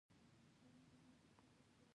دا حالت د افغانستان د ولس